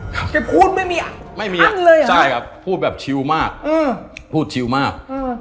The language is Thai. เฮ้ยแกพูดไม่มีอันเลยเหรอใช่ครับพูดแบบชิวมากพูดชิวมาก